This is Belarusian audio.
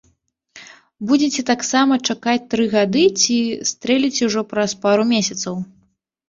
Будзеце таксама чакаць тры гады ці стрэліце ўжо праз пару месяцаў?